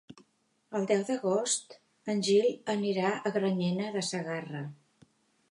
El deu d'agost en Gil anirà a Granyena de Segarra.